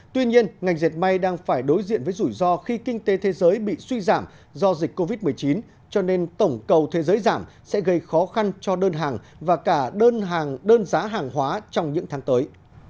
tuy nhiên ngành diệt may đang phải đối diện với rủi ro khi kinh tế thế giới bị suy giảm do dịch covid một mươi chín cho nên tổng cầu thế giới giảm sẽ gây khó khăn cho đơn hàng và cả đơn giá hàng hóa trong những tháng tới